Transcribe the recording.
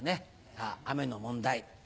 さぁ雨の問題。